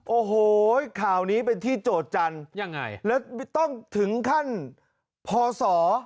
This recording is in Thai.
โอ้โหข่าวนี้เป็นที่โจทย์จันทร์ยังไงแล้วต้องถึงขั้นพศ